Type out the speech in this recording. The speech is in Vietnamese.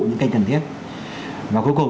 những cái cần thiết và cuối cùng